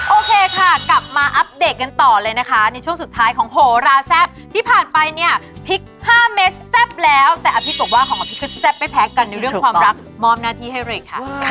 โอเคค่ะกลับมาอัปเดตกันต่อเลยนะคะในช่วงสุดท้ายของโหราแซ่บที่ผ่านไปเนี่ยพริก๕เมตรแซ่บแล้วแต่อภิษบอกว่าของอภิษก็แซ่บไม่แพ้กันในเรื่องความรักมอบหน้าที่ให้เลยค่ะ